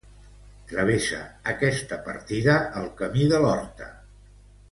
Travessa aquesta partida el Camí de l'Horta.